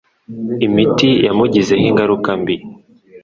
Imiti yamugizeho ingaruka nziza.